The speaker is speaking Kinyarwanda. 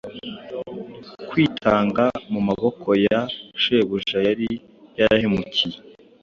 Kwitanga mu maboko ya shebuja yari yarahemukiye,